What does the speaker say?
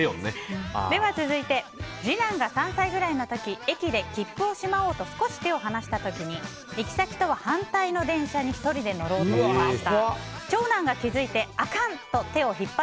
続いて、次男が３歳ぐらいの時駅で切符をしまおうと少し手を離した時に行先とは反対の電車に１人で乗ろうとしました。